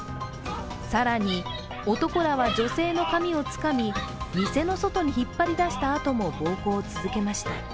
更に、男らは女性の髪をつかみ店の外に引っ張り出したあとも暴行を続けました。